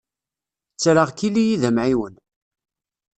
Ttreɣ-k ili-yi d amɛiwen.